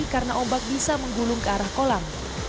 karena ombak bisa menggulung ke arah kolam